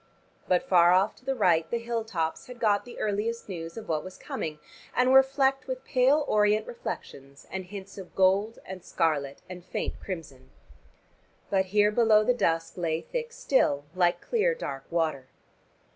But far off to the right the hill tops had got the earliest news of what was coming and were flecked with pale orient reflections and hints of gold and scarlet and faint crimson. But here below the dusk lay thick still, like clear dark water.